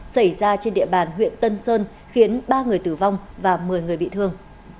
xảy ra trên địa bàn huyện tân sơn khiến ba người tử vong và một mươi người bị thương